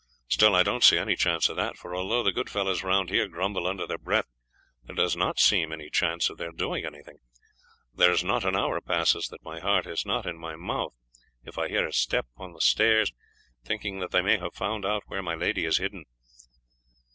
Still, I don't see any chance of that, for although the good fellows round here grumble under their breath, there does not seem any chance of their doing anything. There is not an hour passes that my heart is not in my mouth if I hear a step on the stairs, thinking that they may have found out where my lady is hidden."